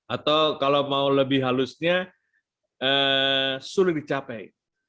atau kalau mau lebih halusnya sulit dicapai